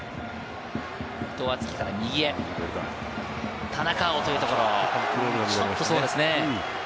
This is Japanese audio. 伊藤敦樹から右へ、田中碧というところ。